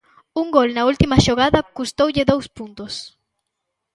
Un gol na última xogada custoulle dous puntos.